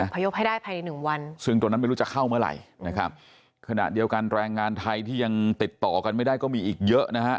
พยพให้ได้ภายในหนึ่งวันซึ่งตรงนั้นไม่รู้จะเข้าเมื่อไหร่นะครับขณะเดียวกันแรงงานไทยที่ยังติดต่อกันไม่ได้ก็มีอีกเยอะนะฮะ